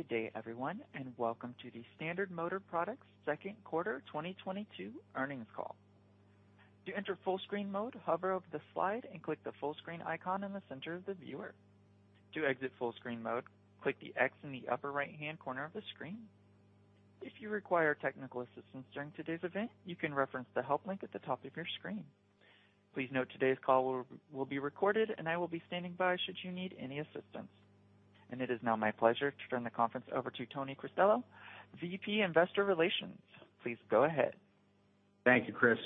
Good day, everyone, and welcome to the Standard Motor Products second quarter 2022 earnings call. To enter full screen mode, hover over the slide and click the full screen icon in the center of the viewer. To exit full screen mode, click the X in the upper right-hand corner of the screen. If you require technical assistance during today's event, you can reference the help link at the top of your screen. Please note today's call will be recorded and I will be standing by should you need any assistance. It is now my pleasure to turn the conference over to Anthony Cristello, VP Investor Relations. Please go ahead. Thank you, Chris.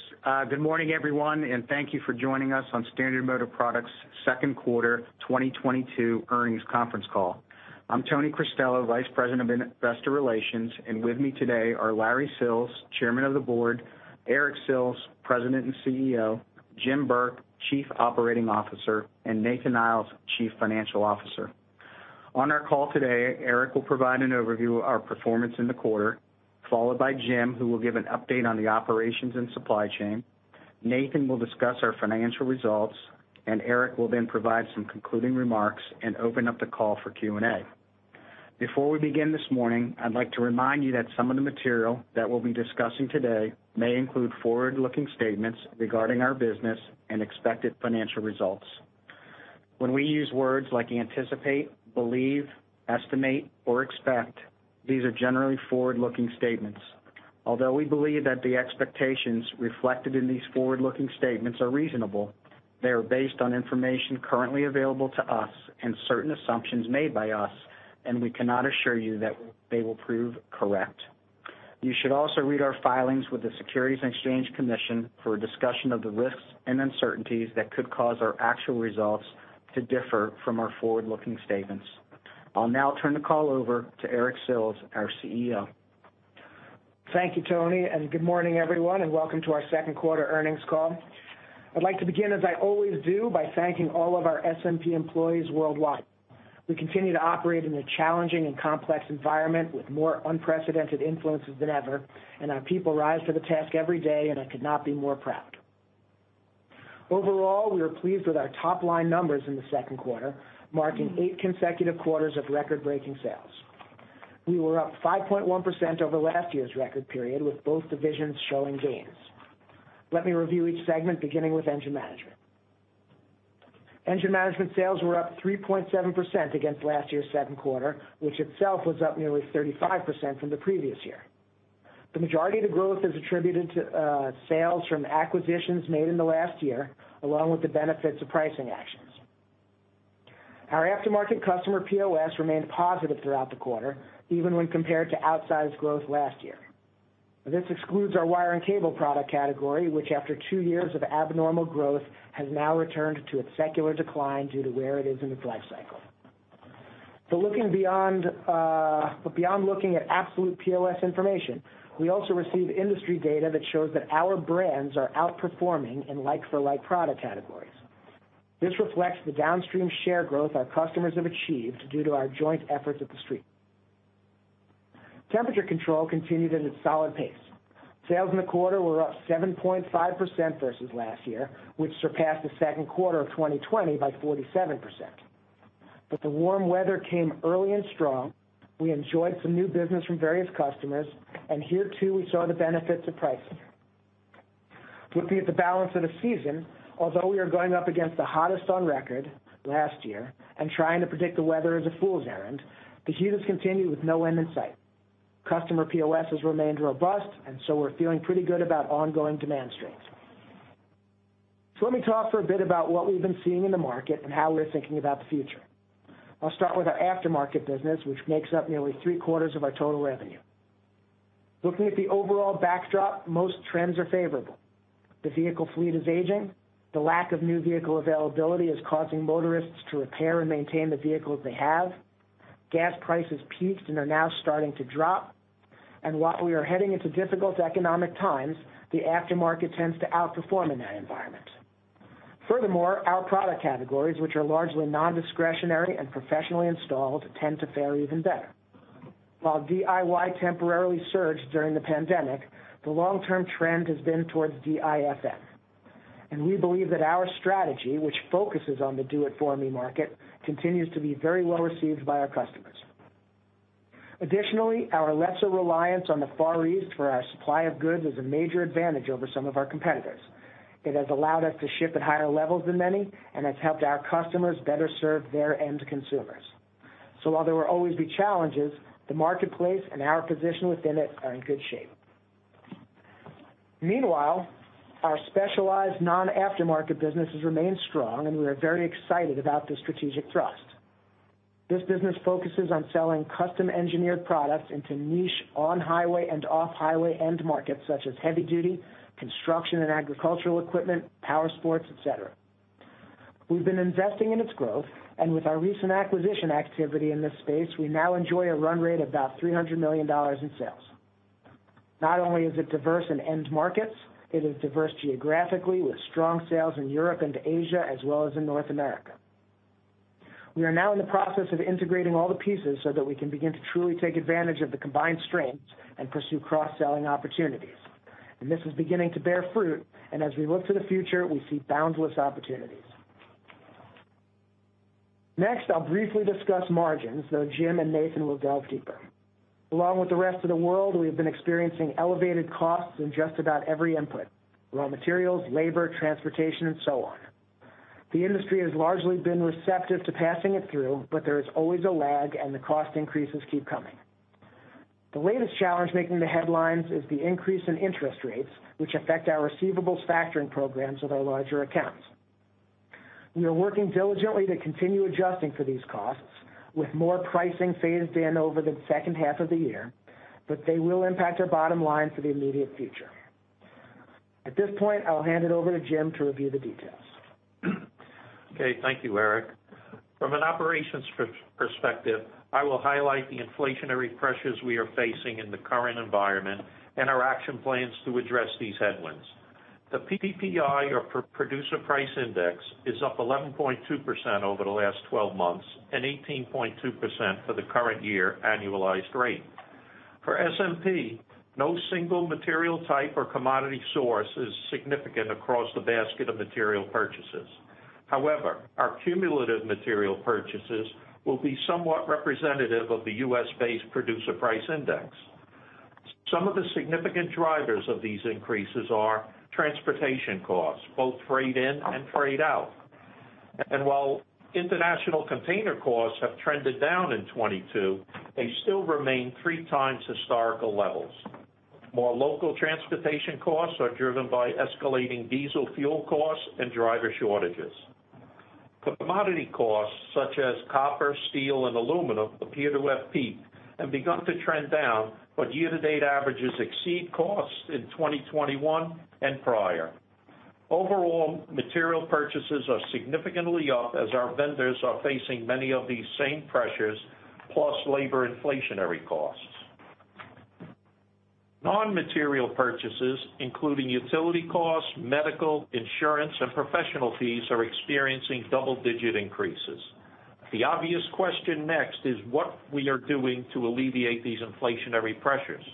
Good morning, everyone, and thank you for joining us on Standard Motor Products second quarter 2022 earnings conference call. I'm Tony Cristello, Vice President of Investor Relations, and with me today are Larry Sills, Chairman of the Board, Eric Sills, President and CEO, Jim Burke, Chief Operating Officer, and Nathan Iles, Chief Financial Officer. On our call today, Eric will provide an overview of our performance in the quarter, followed by Jim, who will give an update on the operations and supply chain. Nathan will discuss our financial results, and Eric will then provide some concluding remarks and open up the call for Q&A. Before we begin this morning, I'd like to remind you that some of the material that we'll be discussing today may include forward-looking statements regarding our business and expected financial results. When we use words like anticipate, believe, estimate, or expect, these are generally forward-looking statements. Although we believe that the expectations reflected in these forward-looking statements are reasonable, they are based on information currently available to us and certain assumptions made by us, and we cannot assure you that they will prove correct. You should also read our filings with the Securities and Exchange Commission for a discussion of the risks and uncertainties that could cause our actual results to differ from our forward-looking statements. I'll now turn the call over to Eric Sills, our CEO. Thank you, Tony, and good morning, everyone, and welcome to our second quarter earnings call. I'd like to begin, as I always do, by thanking all of our SMP employees worldwide. We continue to operate in a challenging and complex environment with more unprecedented influences than ever, and our people rise to the task every day, and I could not be more proud. Overall, we are pleased with our top-line numbers in the second quarter, marking eight consecutive quarters of record-breaking sales. We were up 5.1% over last year's record period, with both divisions showing gains. Let me review each segment, beginning with Engine Management. Engine Management sales were up 3.7% against last year's second quarter, which itself was up nearly 35% from the previous year. The majority of the growth is attributed to sales from acquisitions made in the last year, along with the benefits of pricing actions. Our aftermarket customer POS remained positive throughout the quarter, even when compared to outsized growth last year. This excludes our Wire and Cable product category, which after two years of abnormal growth, has now returned to its secular decline due to where it is in its life cycle. Looking beyond absolute POS information, we also receive industry data that shows that our brands are outperforming in like-for-like product categories. This reflects the downstream share growth our customers have achieved due to our joint efforts at the street. Temperature Control continued at a solid pace. Sales in the quarter were up 7.5% versus last year, which surpassed the second quarter of 2020 by 47%. The warm weather came early and strong. We enjoyed some new business from various customers, and here too, we saw the benefits of pricing. Looking at the balance of the season, although we are going up against the hottest on record last year and trying to predict the weather is a fool's errand, the heat has continued with no end in sight. Customer POS has remained robust, and so we're feeling pretty good about ongoing demand strengths. Let me talk for a bit about what we've been seeing in the market and how we're thinking about the future. I'll start with our aftermarket business, which makes up nearly 3/4 of our total revenue. Looking at the overall backdrop, most trends are favorable. The vehicle fleet is aging. The lack of new vehicle availability is causing motorists to repair and maintain the vehicles they have. Gas prices peaked and are now starting to drop. While we are heading into difficult economic times, the aftermarket tends to outperform in that environment. Furthermore, our product categories, which are largely non-discretionary and professionally installed, tend to fare even better. While DIY temporarily surged during the pandemic, the long-term trend has been towards DIFM. We believe that our strategy, which focuses on the do it for me market, continues to be very well received by our customers. Additionally, our lesser reliance on the Far East for our supply of goods is a major advantage over some of our competitors. It has allowed us to ship at higher levels than many and has helped our customers better serve their end consumers. While there will always be challenges, the marketplace and our position within it are in good shape. Meanwhile, our specialized non-aftermarket businesses remain strong, and we are very excited about this strategic thrust. This business focuses on selling custom-engineered products into niche on-highway and off-highway end markets, such as heavy duty, construction and agricultural equipment, power sports, etc. We've been investing in its growth, and with our recent acquisition activity in this space, we now enjoy a run rate of about $300 million in sales. Not only is it diverse in end markets, it is diverse geographically, with strong sales in Europe and Asia, as well as in North America. We are now in the process of integrating all the pieces so that we can begin to truly take advantage of the combined strengths and pursue cross-selling opportunities. This is beginning to bear fruit, and as we look to the future, we see boundless opportunities. Next, I'll briefly discuss margins, though Jim and Nathan will delve deeper. Along with the rest of the world, we have been experiencing elevated costs in just about every input, raw materials, labor, transportation and so on. The industry has largely been receptive to passing it through, but there is always a lag, and the cost increases keep coming. The latest challenge making the headlines is the increase in interest rates, which affect our receivables factoring programs with our larger accounts. We are working diligently to continue adjusting for these costs with more pricing phased in over the second half of the year, but they will impact our bottom line for the immediate future. At this point, I'll hand it over to Jim to review the details. Okay, thank you, Eric. From an operations perspective, I will highlight the inflationary pressures we are facing in the current environment and our action plans to address these headwinds. The PPI, or Producer Price Index, is up 11.2% over the last 12 months and 18.2% for the current year annualized rate. For SMP, no single material type or commodity source is significant across the basket of material purchases. However, our cumulative material purchases will be somewhat representative of the U.S.-based Producer Price Index. Some of the significant drivers of these increases are transportation costs, both freight in and freight out. While international container costs have trended down in 2022, they still remain three times historical levels. More local transportation costs are driven by escalating diesel fuel costs and driver shortages. Commodity costs, such as copper, steel, and aluminum, appear to have peaked and begun to trend down, but year-to-date averages exceed costs in 2021 and prior. Overall, material purchases are significantly up as our vendors are facing many of these same pressures, plus labor inflationary costs. Non-material purchases, including utility costs, medical, insurance, and professional fees, are experiencing double-digit increases. The obvious question next is what we are doing to alleviate these inflationary pressures.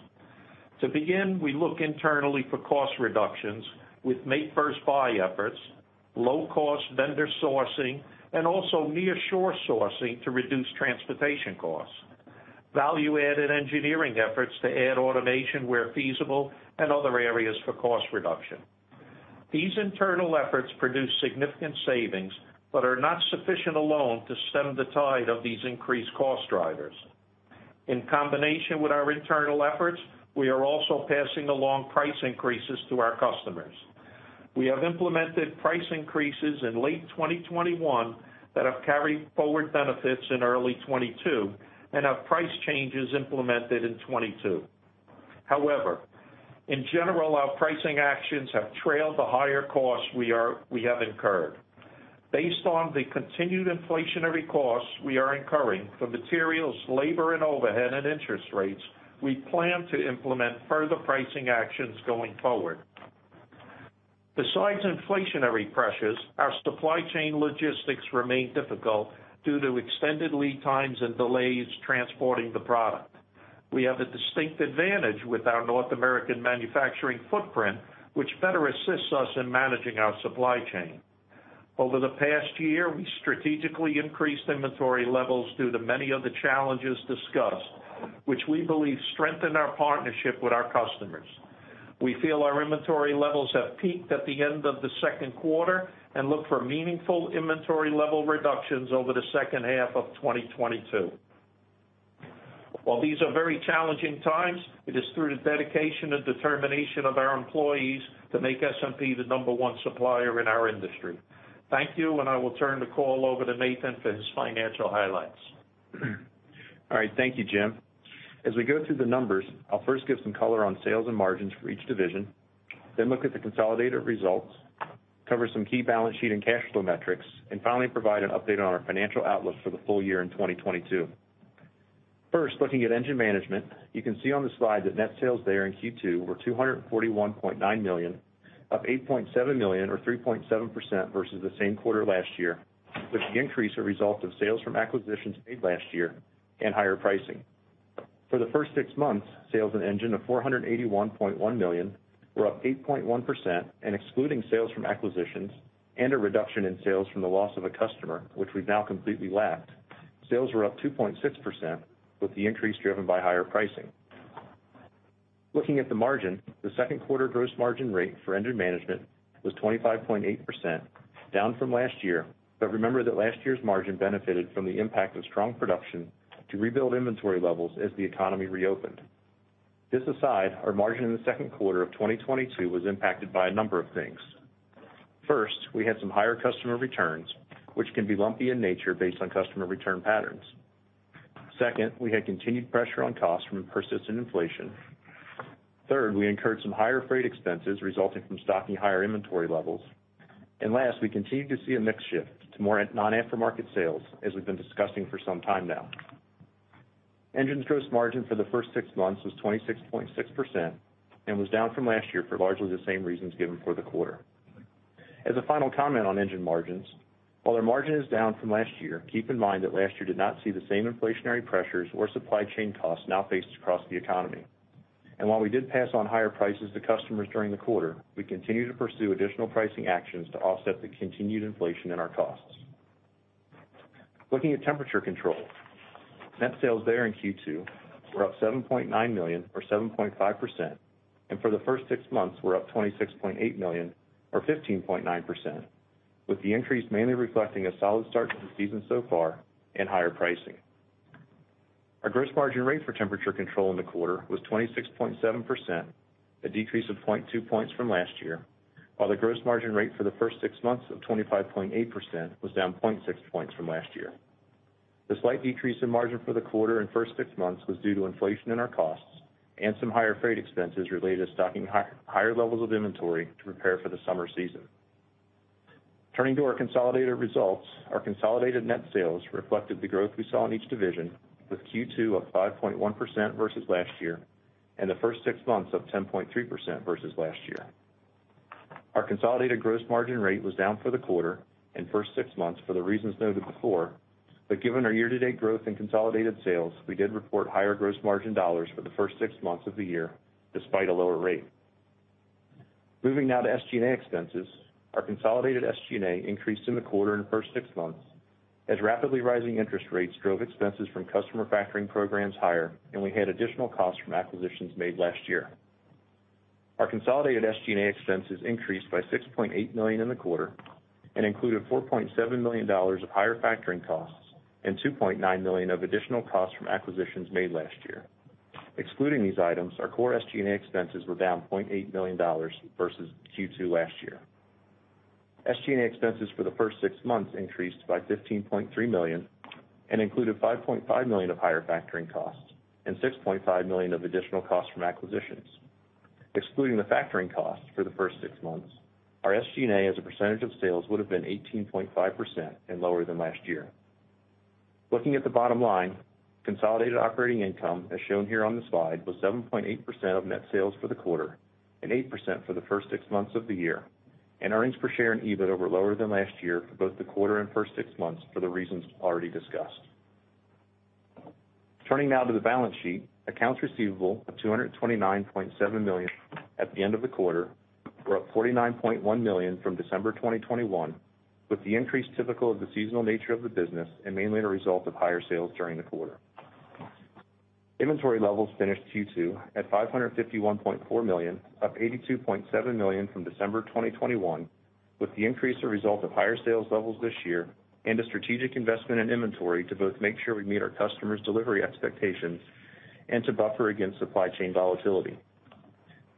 To begin, we look internally for cost reductions with make-versus-buy efforts, low-cost vendor sourcing, and also nearshore sourcing to reduce transportation costs. Value-added engineering efforts to add automation where feasible and other areas for cost reduction. These internal efforts produce significant savings but are not sufficient alone to stem the tide of these increased cost drivers. In combination with our internal efforts, we are also passing along price increases to our customers. We have implemented price increases in late 2021 that have carried forward benefits in early 2022 and have price changes implemented in 2022. However, in general, our pricing actions have trailed the higher costs we have incurred. Based on the continued inflationary costs we are incurring for materials, labor and overhead, and interest rates, we plan to implement further pricing actions going forward. Besides inflationary pressures, our supply chain logistics remain difficult due to extended lead times and delays transporting the product. We have a distinct advantage with our North American manufacturing footprint, which better assists us in managing our supply chain. Over the past year, we strategically increased inventory levels due to many of the challenges discussed, which we believe strengthen our partnership with our customers. We feel our inventory levels have peaked at the end of the second quarter and look for meaningful inventory level reductions over the second half of 2022. While these are very challenging times, it is through the dedication and determination of our employees that make SMP the number one supplier in our industry. Thank you, and I will turn the call over to Nathan for his financial highlights. All right. Thank you, Jim. As we go through the numbers, I'll first give some color on sales and margins for each division, then look at the consolidated results, cover some key balance sheet and cash flow metrics, and finally provide an update on our financial outlook for the full year in 2022. First, looking at Engine Management, you can see on the slide that net sales there in Q2 were $241.9 million, up $8.7 million or 3.7% versus the same quarter last year, with the increase a result of sales from acquisitions made last year and higher pricing. For the first six months, sales in Engine Management of $481.1 million were up 8.1% and excluding sales from acquisitions and a reduction in sales from the loss of a customer, which we've now completely lapped. Sales were up 2.6%, with the increase driven by higher pricing. Looking at the margin, the second quarter gross margin rate for Engine Management was 25.8%, down from last year. Remember that last year's margin benefited from the impact of strong production to rebuild inventory levels as the economy reopened. This aside, our margin in the second quarter of 2022 was impacted by a number of things. First, we had some higher customer returns, which can be lumpy in nature based on customer return patterns. Second, we had continued pressure on costs from persistent inflation. Third, we incurred some higher freight expenses resulting from stocking higher inventory levels. Last, we continued to see a mix shift to more non-aftermarket sales as we've been discussing for some time now. Engine's gross margin for the first six months was 26.6% and was down from last year for largely the same reasons given for the quarter. As a final comment on engine margins, while our margin is down from last year, keep in mind that last year did not see the same inflationary pressures or supply chain costs now faced across the economy. While we did pass on higher prices to customers during the quarter, we continue to pursue additional pricing actions to offset the continued inflation in our costs. Looking at Temperature Control. Net sales there in Q2 were up $7.9 million or 7.5%, and for the first six months were up $26.8 million or 15.9%, with the increase mainly reflecting a solid start to the season so far and higher pricing. Our gross margin rate for Temperature Control in the quarter was 26.7%, a decrease of 0.2 points from last year, while the gross margin rate for the first six months of 25.8% was down 0.6 points from last year. The slight decrease in margin for the quarter and first six months was due to inflation in our costs and some higher freight expenses related to stocking higher levels of inventory to prepare for the summer season. Turning to our consolidated results. Our consolidated net sales reflected the growth we saw in each division with Q2 of 5.1% versus last year and the first six months of 10.3% versus last year. Our consolidated gross margin rate was down for the quarter and first six months for the reasons noted before, but given our year-to-date growth in consolidated sales, we did report higher gross margin dollars for the first six months of the year, despite a lower rate. Moving now to SG&A expenses. Our consolidated SG&A increased in the quarter and first six months as rapidly rising interest rates drove expenses from customer factoring programs higher, and we had additional costs from acquisitions made last year. Our consolidated SG&A expenses increased by $6.8 million in the quarter and included $4.7 million of higher factoring costs and $2.9 million of additional costs from acquisitions made last year. Excluding these items, our core SG&A expenses were down $0.8 million versus Q2 last year. SG&A expenses for the first six months increased by $15.3 million and included $5.5 million of higher factoring costs and $6.5 million of additional costs from acquisitions. Excluding the factoring costs for the first six months, our SG&A as a percentage of sales would have been 18.5% and lower than last year. Looking at the bottom line, consolidated operating income, as shown here on the slide, was 7.8% of net sales for the quarter and 8% for the first six months of the year, and earnings per share and EBIT were lower than last year for both the quarter and first six months for the reasons already discussed. Turning now to the balance sheet. Accounts receivable of $229.7 million at the end of the quarter were up $49.1 million from December 2021, with the increase typical of the seasonal nature of the business and mainly the result of higher sales during the quarter. Inventory levels finished Q2 at $551.4 million, up $82.7 million from December 2021, with the increase a result of higher sales levels this year and a strategic investment in inventory to both make sure we meet our customers' delivery expectations and to buffer against supply chain volatility.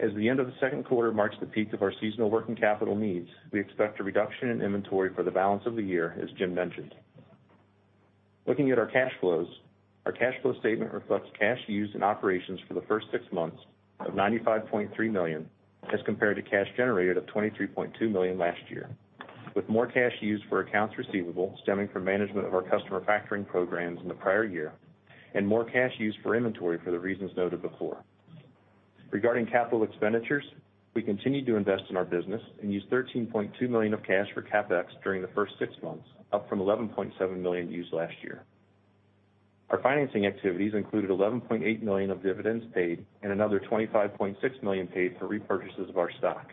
As the end of the second quarter marks the peak of our seasonal working capital needs, we expect a reduction in inventory for the balance of the year, as Jim mentioned. Looking at our cash flows. Our cash flow statement reflects cash used in operations for the first six months of $95.3 million as compared to cash generated of $23.2 million last year, with more cash used for accounts receivable stemming from management of our customer factoring programs in the prior year and more cash used for inventory for the reasons noted before. Regarding capital expenditures, we continued to invest in our business and used $13.2 million of cash for CapEx during the first six months, up from $11.7 million used last year. Our financing activities included $11.8 million of dividends paid and another $25.6 million paid for repurchases of our stock.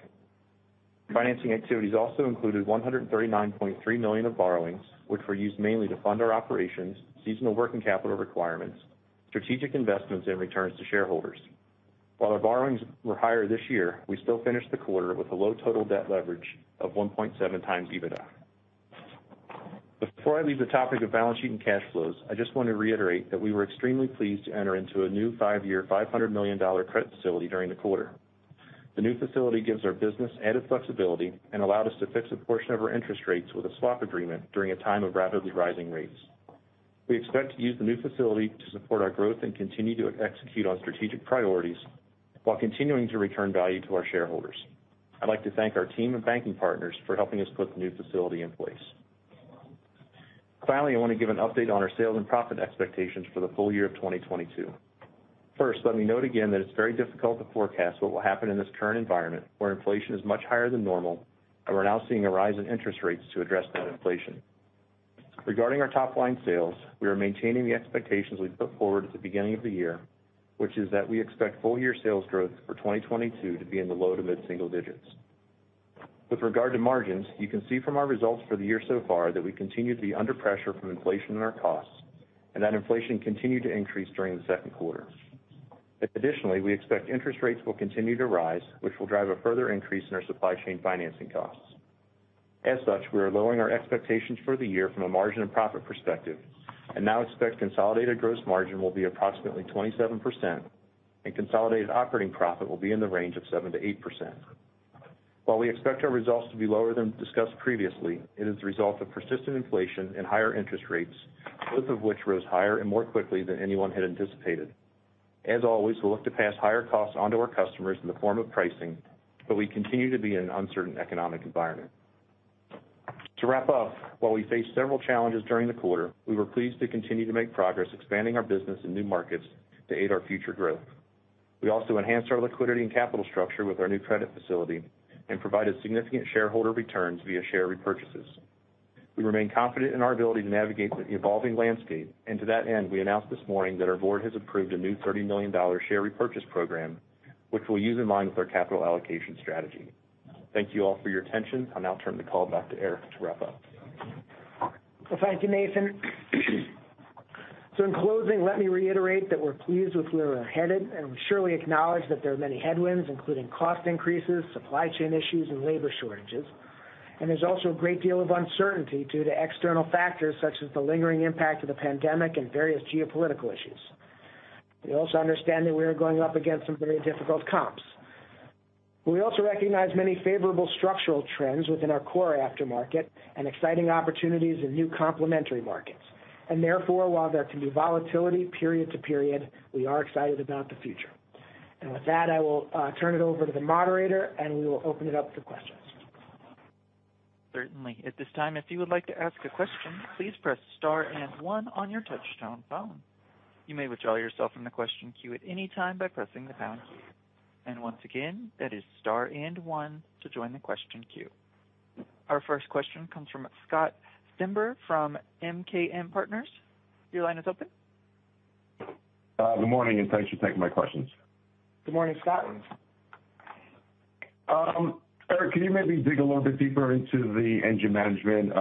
Financing activities also included $139.3 million of borrowings, which were used mainly to fund our operations, seasonal working capital requirements, strategic investments, and returns to shareholders. While our borrowings were higher this year, we still finished the quarter with a low total debt leverage of 1.7x EBITDA. Before I leave the topic of balance sheet and cash flows, I just want to reiterate that we were extremely pleased to enter into a new five year, $500 million credit facility during the quarter. The new facility gives our business added flexibility and allowed us to fix a portion of our interest rates with a swap agreement during a time of rapidly rising rates. We expect to use the new facility to support our growth and continue to execute on strategic priorities while continuing to return value to our shareholders. I'd like to thank our team and banking partners for helping us put the new facility in place. Finally, I want to give an update on our sales and profit expectations for the full year of 2022. First, let me note again that it's very difficult to forecast what will happen in this current environment, where inflation is much higher than normal and we're now seeing a rise in interest rates to address that inflation. Regarding our top line sales, we are maintaining the expectations we put forward at the beginning of the year, which is that we expect full year sales growth for 2022 to be in the low- to mid-single digits. With regard to margins, you can see from our results for the year so far that we continue to be under pressure from inflation in our costs and that inflation continued to increase during the second quarter. Additionally, we expect interest rates will continue to rise, which will drive a further increase in our supply chain financing costs. As such, we are lowering our expectations for the year from a margin and profit perspective and now expect consolidated gross margin will be approximately 27% and consolidated operating profit will be in the range of 7%-8%. While we expect our results to be lower than discussed previously, it is the result of persistent inflation and higher interest rates, both of which rose higher and more quickly than anyone had anticipated. As always, we'll look to pass higher costs on to our customers in the form of pricing, but we continue to be in an uncertain economic environment. To wrap up, while we faced several challenges during the quarter, we were pleased to continue to make progress expanding our business in new markets to aid our future growth. We also enhanced our liquidity and capital structure with our new credit facility and provided significant shareholder returns via share repurchases. We remain confident in our ability to navigate the evolving landscape. To that end, we announced this morning that our board has approved a new $30 million share repurchase program, which we'll use in line with our capital allocation strategy. Thank you all for your attention. I'll now turn the call back to Eric to wrap up. Well, thank you, Nathan. In closing, let me reiterate that we're pleased with where we're headed, and we surely acknowledge that there are many headwinds, including cost increases, supply chain issues, and labor shortages. There's also a great deal of uncertainty due to external factors such as the lingering impact of the pandemic and various geopolitical issues. We also understand that we are going up against some very difficult comps. We also recognize many favorable structural trends within our core aftermarket and exciting opportunities in new complementary markets. Therefore, while there can be volatility period to period, we are excited about the future. With that, I will turn it over to the moderator, and we will open it up for questions. Certainly. At this time, if you would like to ask a question, please press star and one on your touchtone phone. You may withdraw yourself from the question queue at any time by pressing the pound key. Once again, that is star and one to join the question queue. Our first question comes from Scott Stember from ROTH MKM. Your line is open. Good morning, and thanks for taking my questions. Good morning, Scott. Eric, can you maybe dig a little bit deeper into the Engine Management?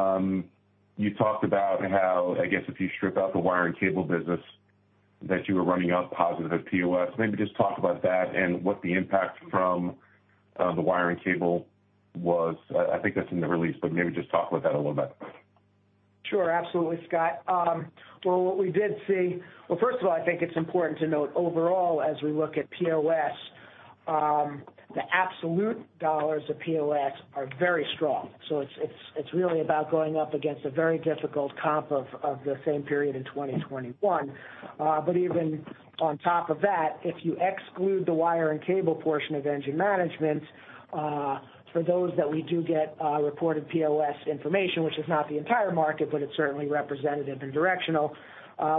You talked about how, I guess, if you strip out the Wire and Cable business that you were running up positive POS. Maybe just talk about that and what the impact from, the Wire and Cable was. I think that's in the release, but maybe just talk about that a little bit. Sure. Absolutely, Scott. Well, first of all, I think it's important to note overall as we look at POS, the absolute dollars of POS are very strong, so it's really about going up against a very difficult comp of the same period in 2021. Even on top of that, if you exclude the wire and cable portion of Engine Management, for those that we do get reported POS information, which is not the entire market, but it's certainly representative and directional,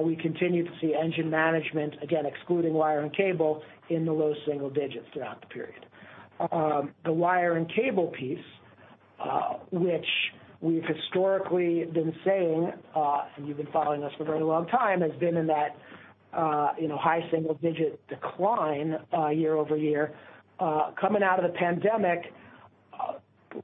we continue to see Engine Management, again, excluding wire and cable, in the low single digits throughout the period. The Wire and Cable piece, which we've historically been saying, and you've been following us for a very long time, has been in that, you know, high single digit decline, year-over-year. Coming out of the pandemic,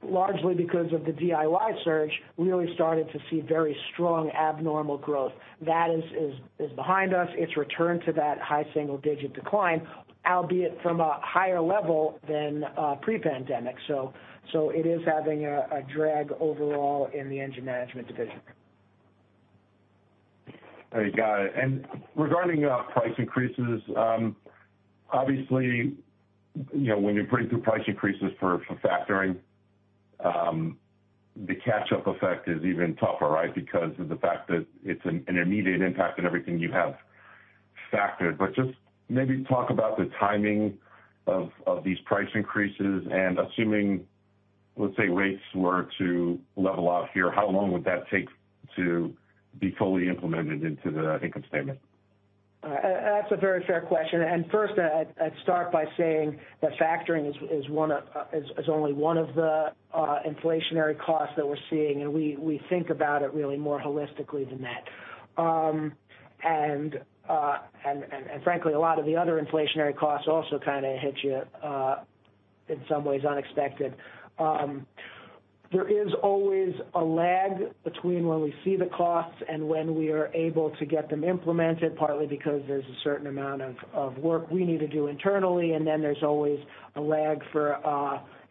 largely because of the DIY surge, we really started to see very strong abnormal growth. That is behind us. It's returned to that high single digit decline, albeit from a higher level than pre-pandemic. It is having a drag overall in the Engine Management division. All right. Got it. Regarding price increases, obviously, you know, when you're putting through price increases for factoring, the catch-up effect is even tougher, right, because of the fact that it's an immediate impact on everything you have factored. But just maybe talk about the timing of these price increases and assuming, let's say, rates were to level out here, how long would that take to be fully implemented into the income statement? That's a very fair question. First, I'd start by saying that factoring is only one of the inflationary costs that we're seeing, and we think about it really more holistically than that. Frankly, a lot of the other inflationary costs also kinda hit you in some ways unexpected. There is always a lag between when we see the costs and when we are able to get them implemented, partly because there's a certain amount of work we need to do internally, and then there's always a lag for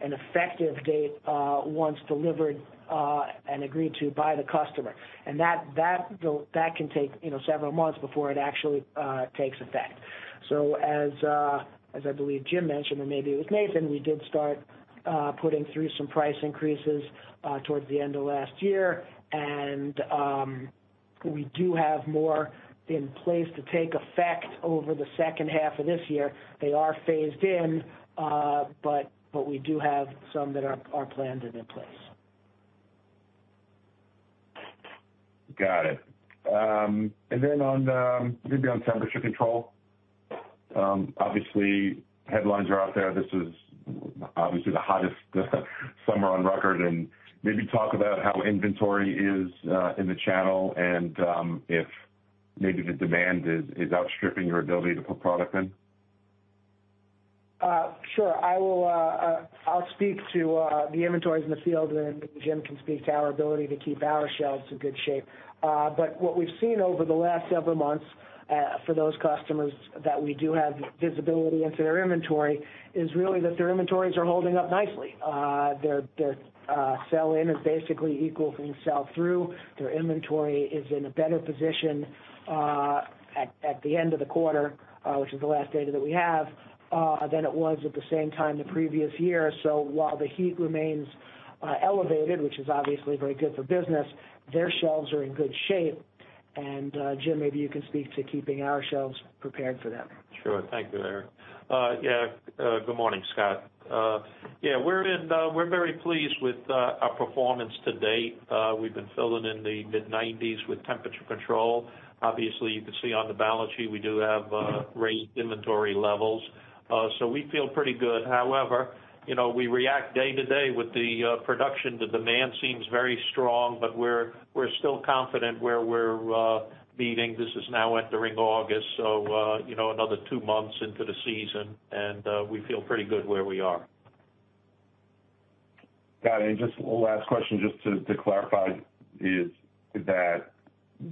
an effective date once delivered and agreed to by the customer. That can take, you know, several months before it actually takes effect. As I believe Jim mentioned, or maybe it was Nathan, we did start putting through some price increases towards the end of last year. We do have more in place to take effect over the second half of this year. They are phased in, but we do have some that are planned and in place. Got it. Maybe on Temperature Control. Obviously, headlines are out there. This was obviously the hottest summer on record, and maybe talk about how inventory is in the channel and if maybe the demand is outstripping your ability to put product in. Sure. I'll speak to the inventories in the field, and then Jim can speak to our ability to keep our shelves in good shape. What we've seen over the last several months, for those customers that we do have visibility into their inventory, is really that their inventories are holding up nicely. Their sell-in is basically equal to sell-through. Their inventory is in a better position, at the end of the quarter, which is the last data that we have, than it was at the same time the previous year. While the heat remains elevated, which is obviously very good for business, their shelves are in good shape. Jim, maybe you can speak to keeping our shelves prepared for that. Sure. Thank you, Eric. Good morning, Scott. We're very pleased with our performance to date. We've been filling in the mid-nineties with Temperature Control. Obviously, you can see on the balance sheet we do have raised inventory levels. We feel pretty good. However, you know, we react day-to-day with the production. The demand seems very strong, but we're still confident where we're leading. This is now entering August, you know, another two months into the season, and we feel pretty good where we are. Got it. Just one last question, just to clarify, is that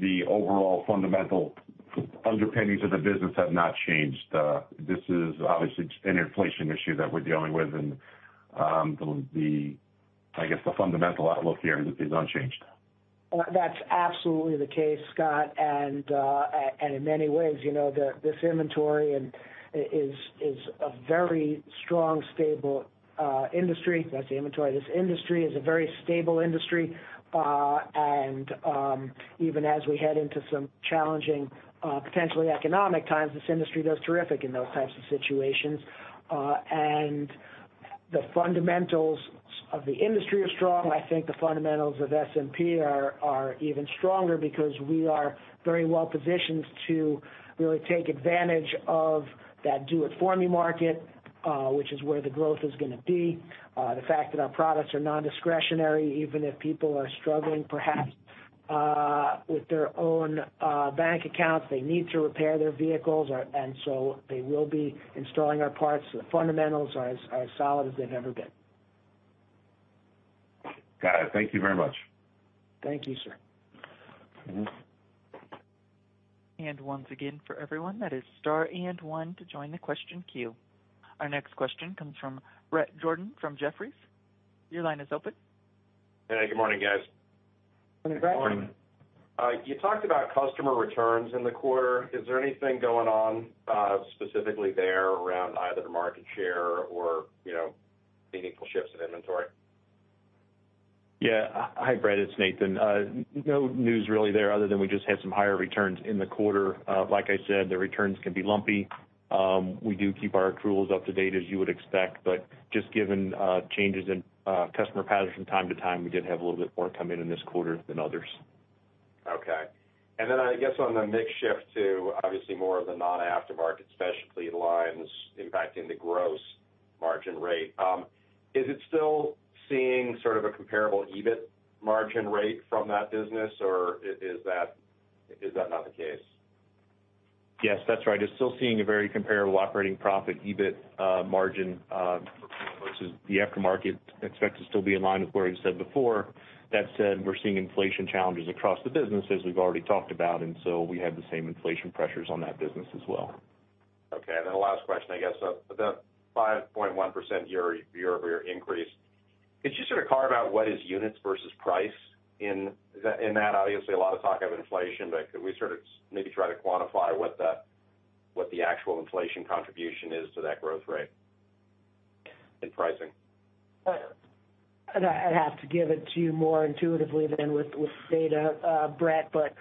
the overall fundamental underpinnings of the business have not changed? This is obviously just an inflation issue that we're dealing with and the, I guess, the fundamental outlook here is unchanged. That's absolutely the case, Scott, and in many ways, you know, this is a very strong, stable industry. Not the inventory. This industry is a very stable industry. Even as we head into some challenging, potentially economic times, this industry does terrific in those types of situations. The fundamentals of the industry are strong. I think the fundamentals of SMP are even stronger because we are very well positioned to really take advantage of that do it for me market, which is where the growth is gonna be. The fact that our products are non-discretionary, even if people are struggling perhaps with their own bank accounts, they need to repair their vehicles, and so they will be installing our parts. The fundamentals are as solid as they've ever been. Got it. Thank you very much. Thank you, Scott. Mm-hmm. Once again, for everyone, that is star and one to join the question queue. Our next question comes from Bret Jordan from Jefferies. Your line is open. Hey, good morning, guys. Good morning. Morning. You talked about customer returns in the quarter. Is there anything going on, specifically there around either the market share or, you know, meaningful shifts in inventory? Yeah. Hi, Bret, it's Nathan. No news really there other than we just had some higher returns in the quarter. Like I said, the returns can be lumpy. We do keep our accruals up to date, as you would expect, but just given changes in customer patterns from time to time, we did have a little bit more come in in this quarter than others. Okay. I guess on the mix shift to obviously more of the non-aftermarket specialty lines impacting the gross margin rate, is it still seeing sort of a comparable EBIT margin rate from that business, or is that not the case? Yes, that's right. It's still seeing a very comparable operating profit EBIT margin versus the aftermarket. Expect to still be in line with where we said before. That said, we're seeing inflation challenges across the business, as we've already talked about, and so we have the same inflation pressures on that business as well. Okay. The last question, I guess, the 5.1% year-over-year increase. Could you sort of carve out what is units versus price in that. In that, obviously, a lot of talk of inflation, but could we sort of maybe try to quantify what the actual inflation contribution is to that growth rate in pricing? I'd have to give it to you more intuitively than with data, Bret, but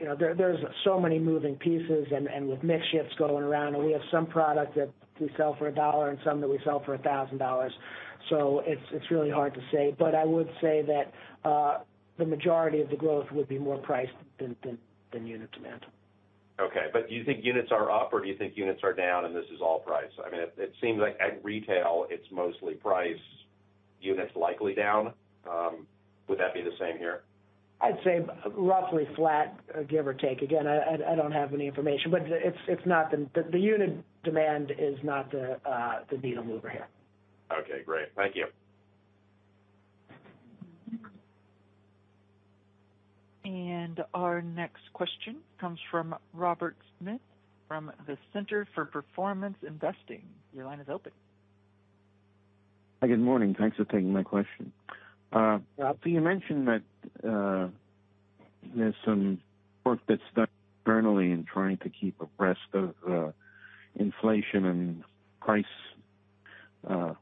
you know, there's so many moving pieces and with mix shifts going around, and we have some product that we sell for a dollar and some that we sell for a thousand dollars. It's really hard to say. I would say that the majority of the growth would be more price than unit demand. Okay. Do you think units are up or do you think units are down and this is all price? I mean, it seems like at retail, it's mostly price, units likely down. Would that be the same here? I'd say roughly flat, give or take. Again, I don't have any information, but it's not, the unit demand is not the needle mover here. Okay, great. Thank you. Our next question comes from Robert Smith from the Center for Performance Investing. Your line is open. Good morning. Thanks for taking my question. You mentioned that there's some work that's done internally in trying to keep abreast of inflation and price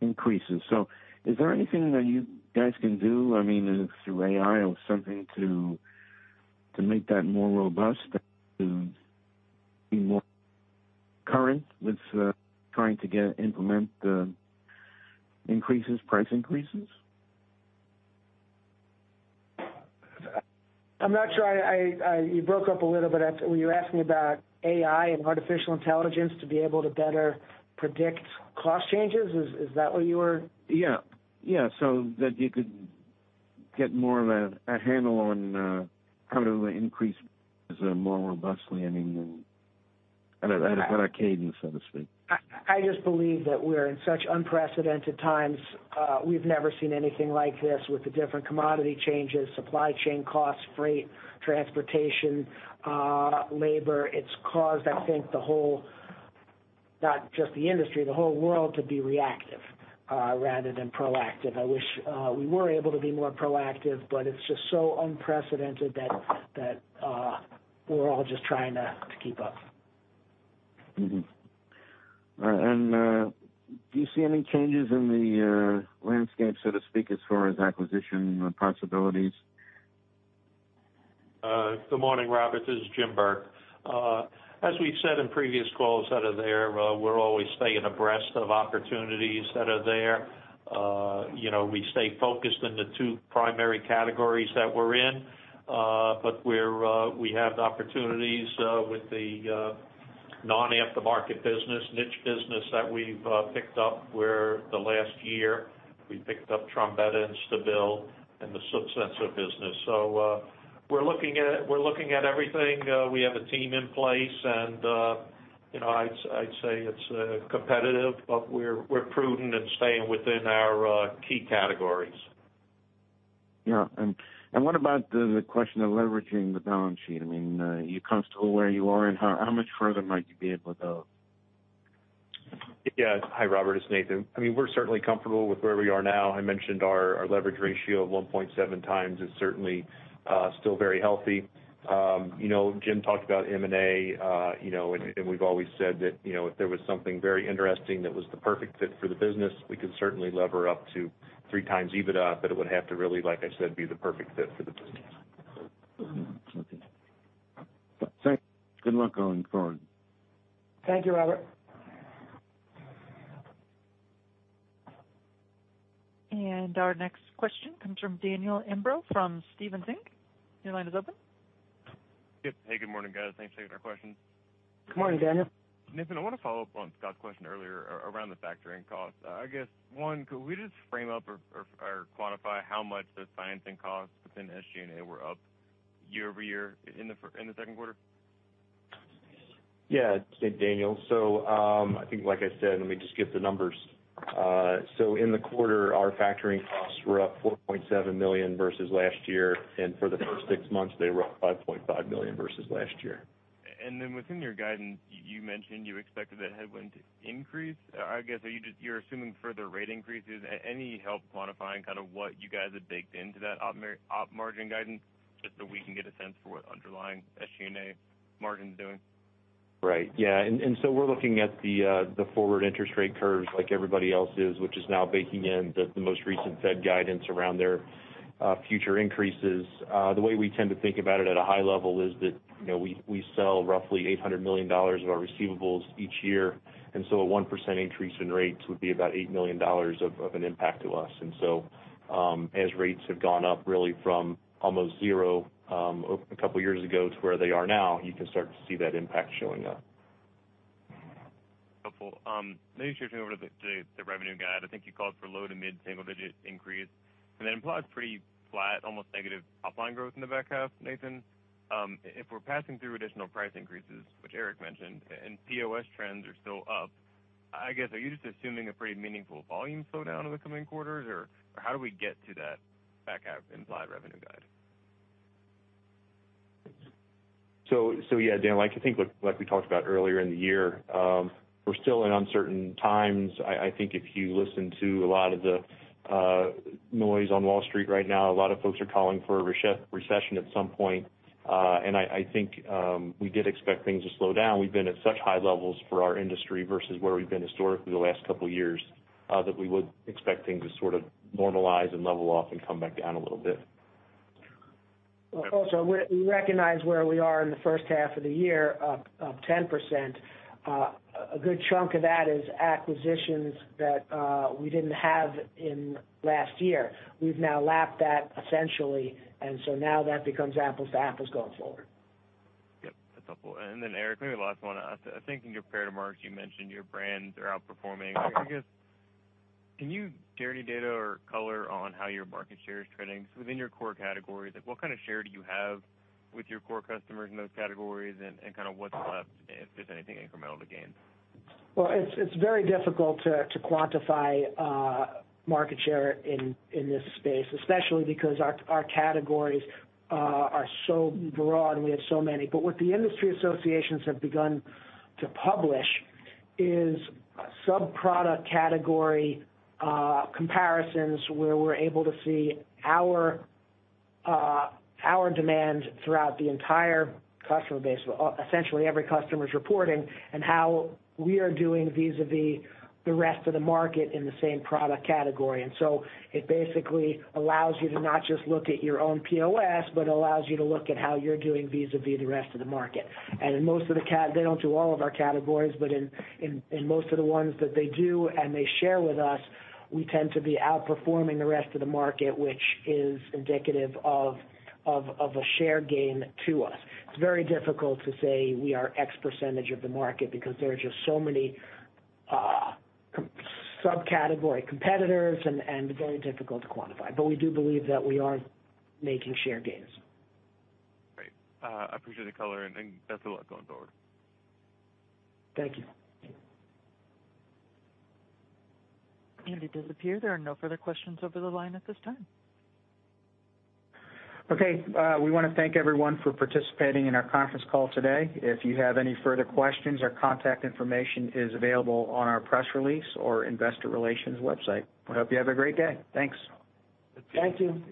increases. Is there anything that you guys can do, I mean, through AI or something to make that more robust and be more current with trying to implement the increases, price increases? I'm not sure. You broke up a little bit. Were you asking about AI and artificial intelligence to be able to better predict cost changes? Is that what you were- Yeah, that you could get more of a handle on how to increase more robustly, I mean, at a cadence, so to speak. I just believe that we're in such unprecedented times. We've never seen anything like this with the different commodity changes, supply chain costs, freight, transportation, labor. It's caused, I think, the whole, not just the industry, the whole world to be reactive rather than proactive. I wish we were able to be more proactive, but it's just so unprecedented that we're all just trying to keep up. Do you see any changes in the landscape, so to speak, as far as acquisition possibilities? Good morning, Robert. This is Jim Burke. As we've said in previous calls that are there, we're always staying abreast of opportunities that are there. You know, we stay focused in the two primary categories that we're in. But we have opportunities with the non-aftermarket business, niche business that we've picked up over the last year we picked up Trombetta and Stabil and the sensor business. We're looking at everything. We have a team in place and, you know, I'd say it's competitive, but we're prudent and staying within our key categories. Yeah. What about the question of leveraging the balance sheet? I mean, are you comfortable where you are, and how much further might you be able to go? Yeah. Hi, Robert. It's Nathan. I mean, we're certainly comfortable with where we are now. I mentioned our leverage ratio of 1.7x is certainly still very healthy. You know, Jim talked about M&A, you know, and we've always said that, you know, if there was something very interesting that was the perfect fit for the business, we could certainly lever up to 3x EBITDA, but it would have to really, like I said, be the perfect fit for the business. Okay. Thanks. Good luck going forward. Thank you, Robert. Our next question comes from Daniel Imbro from Stephens Inc. Your line is open. Yep. Hey, good morning, guys. Thanks for taking our questions. Good morning, Daniel. Nathan, I wanna follow up on Scott's question earlier around the factoring cost. I guess, one, could we just frame up or quantify how much those financing costs within SG&A were up year-over-year in the second quarter? Yeah, Daniel. I think, like I said, let me just get the numbers. In the quarter, our factoring costs were up $4.7 million versus last year, and for the first six months, they were up $5.5 million versus last year. Within your guidance, you mentioned you expected that headwind to increase. I guess, are you just assuming further rate increases? Any help quantifying kind of what you guys have baked into that op margin guidance, just so we can get a sense for what underlying SG&A margin is doing? Right. Yeah. We're looking at the forward interest rate curves like everybody else is, which is now baking in the most recent Fed guidance around their future increases. The way we tend to think about it at a high level is that, you know, we sell roughly $800 million of our receivables each year, and so a 1% increase in rates would be about $8 million of an impact to us. As rates have gone up really from almost zero, a couple years ago to where they are now, you can start to see that impact showing up. Helpful. Maybe switching over to the revenue guide. I think you called for low- to mid-single-digit increase, and that implies pretty flat, almost negative top line growth in the back half, Nathan. If we're passing through additional price increases, which Eric mentioned, and POS trends are still up, I guess, are you just assuming a pretty meaningful volume slowdown in the coming quarters, or how do we get to that back half implied revenue guide? Yeah, Dan, like I think, like we talked about earlier in the year, we're still in uncertain times. I think if you listen to a lot of the noise on Wall Street right now, a lot of folks are calling for a recession at some point. We did expect things to slow down. We've been at such high levels for our industry versus where we've been historically the last couple years, that we would expect things to sort of normalize and level off and come back down a little bit. Also, we recognize where we are in the first half of the year, up 10%. A good chunk of that is acquisitions that we didn't have in last year. We've now lapped that essentially, and so now that becomes apples to apples going forward. Yep. That's helpful. Eric, maybe last one. I think in your prepared remarks, you mentioned your brands are outperforming. I guess, can you share any data or color on how your market share is trending within your core categories? Like what kind of share do you have with your core customers in those categories and kind of what's left, if there's anything incremental to gain? Well, it's very difficult to quantify market share in this space, especially because our categories are so broad and we have so many. What the industry associations have begun to publish is sub-product category comparisons where we're able to see our demand throughout the entire customer base, essentially every customer's reporting, and how we are doing vis-à-vis the rest of the market in the same product category. It basically allows you to not just look at your own POS, but allows you to look at how you're doing vis-à-vis the rest of the market. They don't do all of our categories, but in most of the ones that they do and they share with us, we tend to be outperforming the rest of the market, which is indicative of a share gain to us. It's very difficult to say we are X percentage of the market because there are just so many subcategory competitors and very difficult to quantify. We do believe that we are making share gains. Great. I appreciate the color and best of luck going forward. Thank you. It does appear there are no further questions over the line at this time. Okay. We wanna thank everyone for participating in our conference call today. If you have any further questions, our contact information is available on our press release or investor relations website. We hope you have a great day. Thanks. Thank you.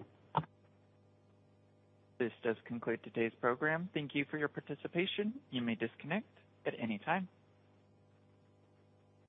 This does conclude today's program. Thank you for your participation. You may disconnect at any time.